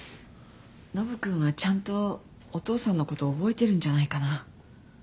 ノブ君はちゃんとお父さんのこと覚えてるんじゃないかな。